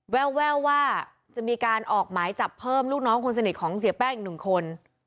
แววว่าจะมีการออกหมายจับเพิ่มลูกน้องคนสนิทของเสียแป้งอีกหนึ่งคน